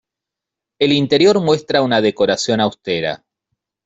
El interior muestra una decoración austera.